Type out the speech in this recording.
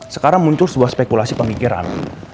sekarang muncul sebuah spekulasi pemikiran